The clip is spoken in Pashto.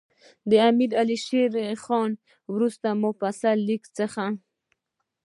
د امیر شېر علي خان وروستي مفصل لیک څخه.